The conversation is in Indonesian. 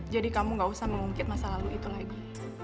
jadi kamu gak usah mengungkit masa lalu itu lagi